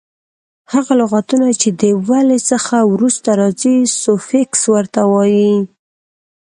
هغه لغتونه چي د ولي څخه وروسته راځي؛ سوفیکس ور ته وایي.